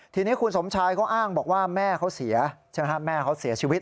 ทีนี้คุณสมชายเขาอ้างบอกว่าแม่เขาเสียใช่ไหมฮะแม่เขาเสียชีวิต